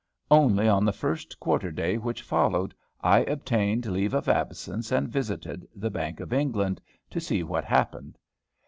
Only on the first quarter day which followed, I obtained leave of absence, and visited the Bank of England, to see what happened.